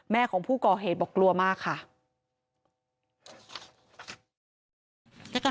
แม่ของผู้ก่อเหตุบอกกลัวมากค่ะ